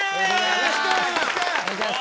よろしくお願いします。